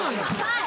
はい！